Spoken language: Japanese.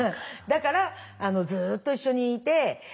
だからずっと一緒にいて。